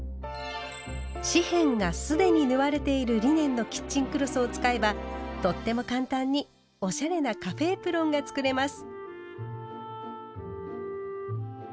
四辺が既に縫われているリネンのキッチンクロスを使えばとっても簡単におしゃれな「カフェエプロン」が作れます。